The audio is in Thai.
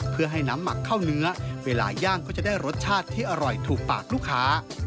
เพื่อให้น้ำหมักเข้าเนื้อเวลาย่างก็จะได้รสชาติที่อร่อยถูกปากลูกค้า